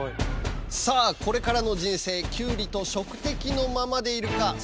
さあこれからの人生きゅうりと食敵のままでいるか？